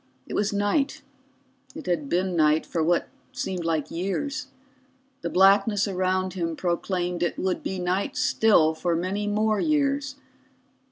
It was night, it had been night for what seemed like years, the blackness around him proclaimed it would be night still for many more years.